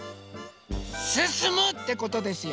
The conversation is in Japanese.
すすむ！ってことですよ。